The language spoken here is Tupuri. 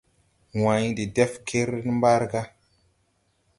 Wãy de dɛf kere ne mbarga.